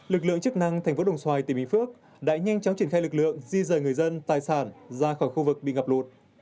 lực lượng chức năng thành phố đồng xoài tỉnh bình phước đã nhanh chóng triển khai lực lượng di rời người dân tài sản ra khỏi khu vực bị ngập lụt